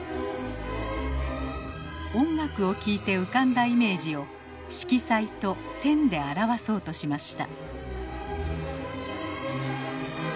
音楽を聴いて浮かんだイメージを色彩と線で表わそうとしました。